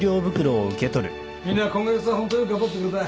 みんな今月はホントよく頑張ってくれた。